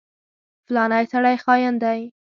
فلانی سړی خاين دی.